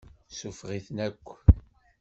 Suffeɣ-iten akk.